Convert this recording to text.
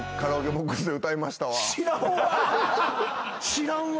知らんわ。